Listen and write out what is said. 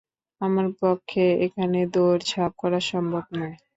আমার পক্ষে এখানে দৌঁড়-ঝাপ করা সম্ভব নয়।